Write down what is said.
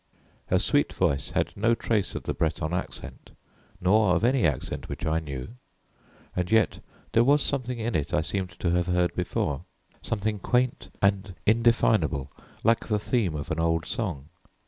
Her sweet voice had no trace of the Breton accent nor of any accent which I knew, and yet there was something in it I seemed to have heard before, something quaint and indefinable, like the theme of an old song.